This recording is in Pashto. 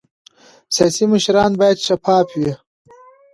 سیاسي مشران باید شفاف وي